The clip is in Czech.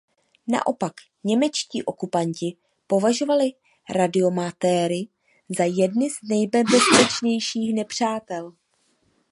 Naopak němečtí okupanti považovali radiomatéry za jedny z nejnebezpečnějších nepřátel.